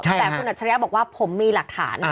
แต่คุณอัจฉริยะบอกว่าผมมีหลักฐาน